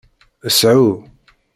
Sɛu.